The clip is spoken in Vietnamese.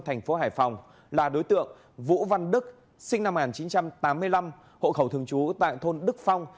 thành phố hải phòng là đối tượng vũ văn đức sinh năm một nghìn chín trăm tám mươi năm hộ khẩu thường trú tại thôn đức phong